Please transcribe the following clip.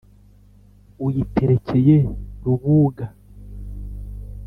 Uyiterekeye Rubuga